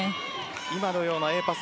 今のようなＡパス